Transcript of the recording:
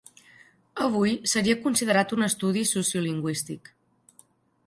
Avui seria considerat un estudi sociolingüístic.